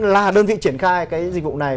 là đơn vị triển khai cái dịch vụ này